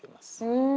うん。